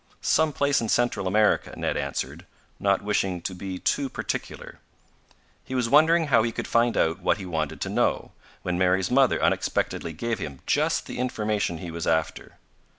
"Some place in Central America," Ned answered, not wishing to be too particular. He was wondering how he could find out what he wanted to know, when Mary's mother unexpectedly gave him just the information he was after.